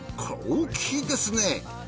大きいですね！